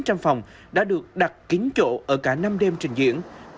xem phòng đã được đặt kín chỗ ở cả năm đêm trình diễn